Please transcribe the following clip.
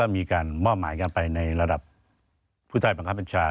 มีการมอบหมายกันไปในระดับผู้ใต้บังคับบัญชา